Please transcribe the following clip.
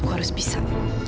aku harus bisa